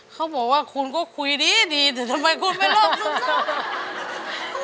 เขาบอกว่าคุณก็คุยดีแต่ทำไมคุณเป็นโรคซึมเศร้า